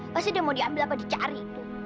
pasti dia mau diambil apa dicari